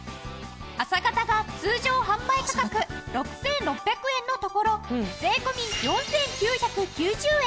浅型が通常販売価格６６００円のところ税込４９９０円。